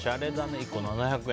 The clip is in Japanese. １個７００円。